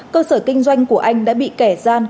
cơ sở kinh doanh của anh đã bị kẻ gian